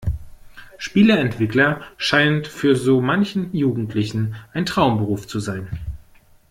Spieleentwickler scheint für so manchen Jugendlichen ein Traumberuf zu sein.